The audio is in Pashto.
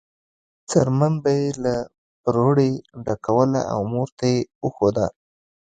څرمن به یې له پروړې ډکوله او مور ته یې وښوده.